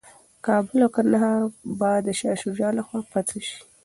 کابل او کندهار به د شاه شجاع لخوا فتح شي.